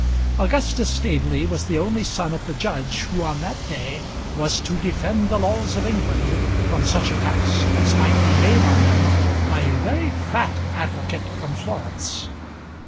Augustus Staveley was the only son of the judge who on that day was to defend the laws of England from such attacks as might be made on them by a very fat advocate from Florence.